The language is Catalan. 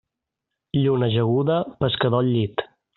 Lluna ajaguda, pescador al llit.